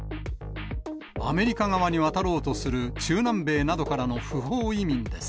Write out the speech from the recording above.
アメリカ側に渡ろうとする中南米などからの不法移民です。